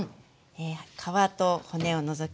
皮と骨を除きます。